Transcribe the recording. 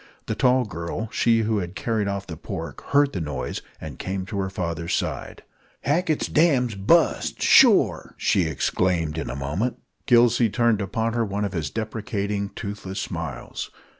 The tall girl, she who had carried off the pork, heard the noise, and came to her father's side. "Hackett's dam's bust, shore!" she exclaimed in a moment. Gillsey turned upon her one of his deprecating, toothless smiles.